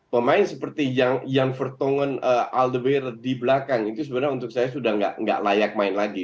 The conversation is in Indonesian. pemain seperti yang vertongon aldeber di belakang itu sebenarnya untuk saya sudah tidak layak main lagi